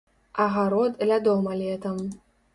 Агарод ля дома летам.